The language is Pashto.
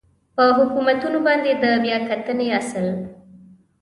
په حکمونو باندې د بیا کتنې اصل